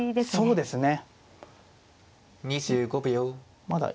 そうですね。